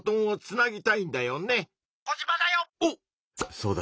「そうだ」。